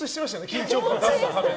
緊張感を。